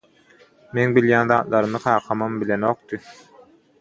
Meň bilýän zatlarymy kakam bilenokdy.